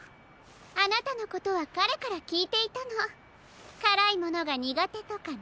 あなたのことはかれからきいていたのからいものがにがてとかね。